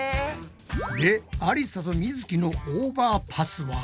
でありさとみづきのオーバーパスは？